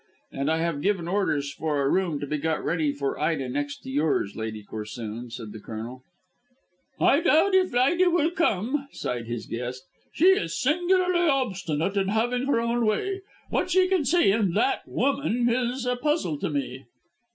"And I have given orders for a room to be got ready for Ida next to yours, Lady Corsoon," said the Colonel. "I doubt if Ida will come," sighed his guest. "She is singularly obstinate in having her own way. What she can see in that woman is a puzzle to me."